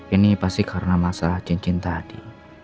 ini pasti karena masalah cincin tadi